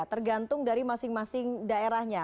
tergantung dari masing masing daerahnya